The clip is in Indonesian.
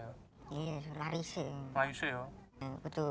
iya lari sih